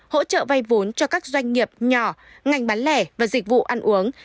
hỗ trợ vay vốn cho các doanh nghiệp nhỏ ngành bán lẻ và dịch vụ ăn uống